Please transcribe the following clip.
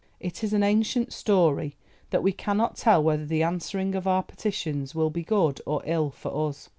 It is an ancient story, that we cannot tell whether the answering of our petitions will be good or ill for us.